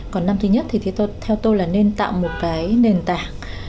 còn năm thứ nhất thì theo tôi là nên tạo một cái nền tảng